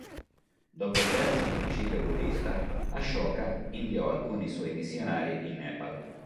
Dopo il Terzo concilio buddhista, Ashoka inviò alcuni suoi missionari in Nepal.